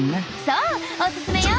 そうおすすめよ。